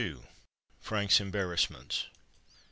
FRANK'S EMBARRASSMENTS.